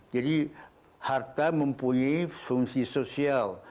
jadi harta mempunyai fungsi sosial